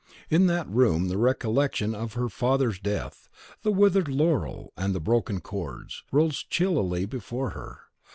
In that room the recollection of her father's death, the withered laurel and the broken chords, rose chillingly before her.